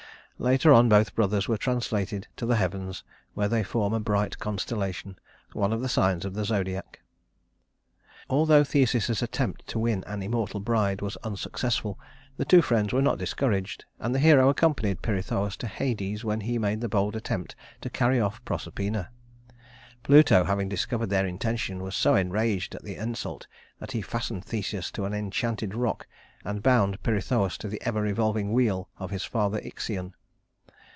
Later on both brothers were translated to the heavens, where they form a bright constellation, one of the signs of the Zodiac. Although Theseus's attempt to win an immortal bride was unsuccessful, the two friends were not discouraged; and the hero accompanied Pirithous to Hades when he made the bold attempt to carry off Proserpina. Pluto, having discovered their intention, was so enraged at the insult that he fastened Theseus to an enchanted rock, and bound Pirithous to the ever revolving wheel of his father Ixion.